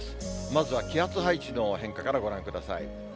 まずは気圧配置の変化からご覧ください。